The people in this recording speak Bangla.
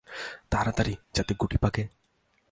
তাড়াতাড়ি যাতে গুটি পাকে?